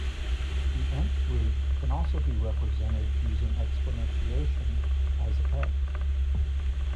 The "n"th root can also be represented using exponentiation as "x".